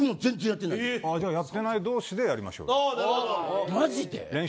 じゃあ、やってない同士でやりましょう。